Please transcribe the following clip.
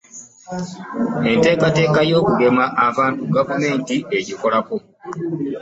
Enteekateeka ey'okugema abantu Gavumenti egikolako